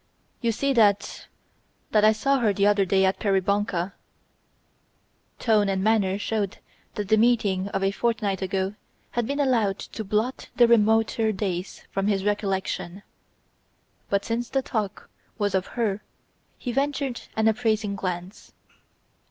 "You see that ... that I saw her the other day at Peribonka." Tone and manner showed that the meeting of a fortnight ago had been allowed to blot the remoter days from his recollection. But since the talk was of her he ventured an appraising glance.